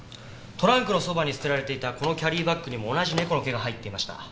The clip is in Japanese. トランクのそばに捨てられていたこのキャリーバッグにも同じ猫の毛が入っていました。